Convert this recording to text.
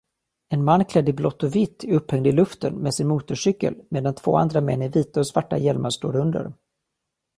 En man klädd i blått och vitt är upphängd i luften med sin motorcykel medan två andra män i vita och svarta hjälmar står under